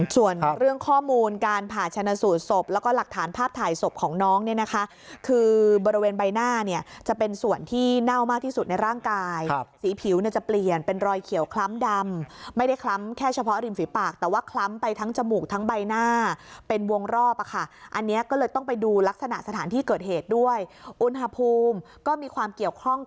ส่วนเรื่องข้อมูลการผ่าชนะสูตรศพแล้วก็หลักฐานภาพถ่ายศพของน้องเนี่ยนะคะคือบริเวณใบหน้าเนี่ยจะเป็นส่วนที่เน่ามากที่สุดในร่างกายสีผิวเนี่ยจะเปลี่ยนเป็นรอยเขียวคล้ำดำไม่ได้คล้ำแค่เฉพาะริมฝีปากแต่ว่าคล้ำไปทั้งจมูกทั้งใบหน้าเป็นวงรอบอ่ะค่ะอันนี้ก็เลยต้องไปดูลักษณะสถานที่เกิดเหตุด้วยอุณหภูมิก็มีความเกี่ยวข้อง